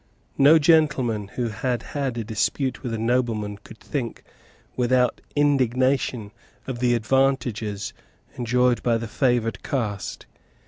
No gentleman who had had a dispute with a nobleman could think, without indignation, of the advantages enjoyed by the favoured caste.